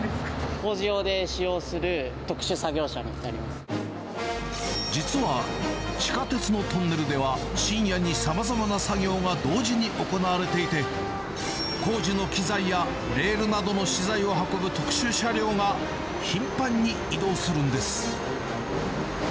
工事用で使用する、実は地下鉄のトンネルでは、深夜にさまざまな作業が同時に行われていて、工事の機材やレールなどの資材を運ぶ特殊車両が、頻繁に移動するんです。